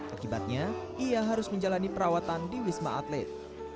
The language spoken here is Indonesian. akibatnya ia harus menjalani perawatan di wisma atlet